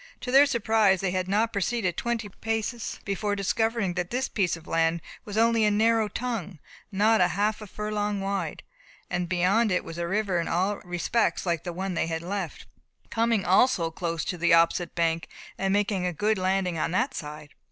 To their surprise they had not proceeded twenty paces before discovering that this piece of land was only a narrow tongue, not a half furlong wide, and that beyond it was a river in all respects like the one they had left, coming also close to the opposite bank, and making a good landing on that side.